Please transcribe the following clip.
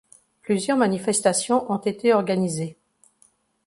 Plusieurs manifestations ont été organisées.